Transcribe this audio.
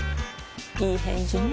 いい返事ね